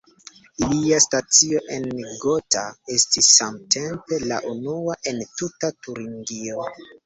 Ilia stacio en Gotha estis samtempe la unua en tuta Turingio.